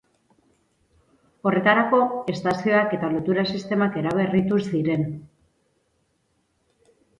Horretarako estazioak eta lotura sistemak eraberritu ziren.